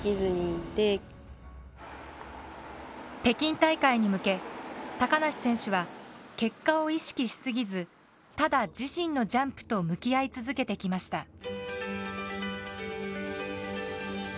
北京大会に向け梨選手は結果を意識しすぎずただ自身のジャンプと向き合い続けてきました。